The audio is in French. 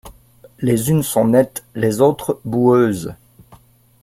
Les unes sont nettes, les autres boueuses.